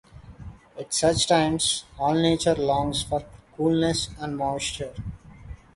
At such times all nature longs for coolness and moisture.